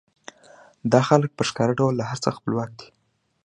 دا خلک په ښکاره ډول له هر څه خپلواک دي